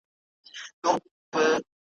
خدای وو ښکلی پیدا کړی سر تر نوکه ,